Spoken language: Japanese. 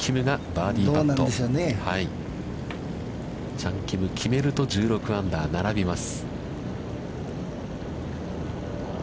チャン・キム決めると、１６アンダー、並びます。